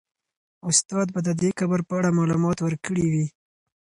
استاد به د دې قبر په اړه معلومات ورکړي وي.